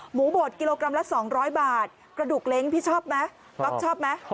หมูหมดกิโลกรัมละ๒๐๐บาทกระดูกเล้งพี่ชอบไหมชอบ